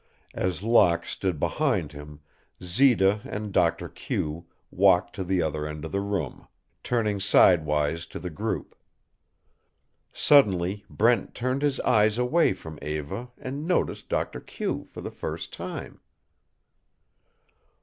As Locke stood behind him, Zita and Doctor Q walked to the other end of the room, turning sidewise to the group. Suddenly Brent turned his eyes away from Eva and noticed Doctor Q for the first time.